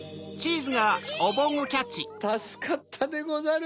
たすかったでござる。